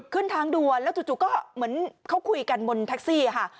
ขึ้นทางด่วนแล้วจู่ก็เหมือนเขาคุยกันบนแท็กซี่ค่ะ